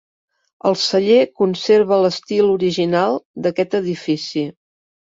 El celler conserva l'estil original d'aquest edifici.